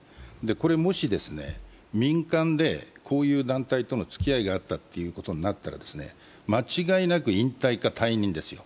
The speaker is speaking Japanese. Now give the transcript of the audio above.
これ、もし民間でこういう団体とのつきあいがあったということになったら、間違いなく引退か退任ですよ。